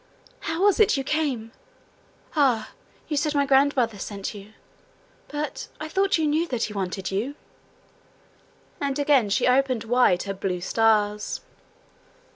'How was it you came? Ah! You said my grandmother sent you. But I thought you knew that he wanted you.' And again she opened wide her blue stars.